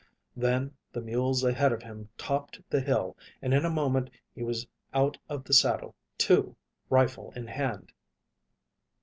Then the mules ahead of him topped the hill and in a moment he was out of the saddle, too, rifle in hand.